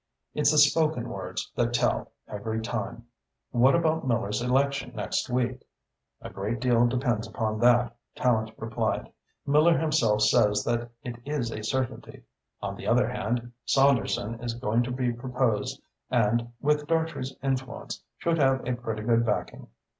It's the spoken words that tell, every time. What about Miller's election next week?" "A great deal depends upon that," Tallente replied. "Miller himself says that it is a certainty. On the other hand, Saunderson is going to be proposed, and, with Dartrey's influence, should have a pretty good backing."